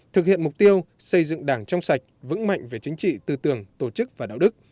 thực hiện mục tiêu xây dựng đảng trong sạch vững mạnh về chính trị tư tưởng tổ chức và đạo đức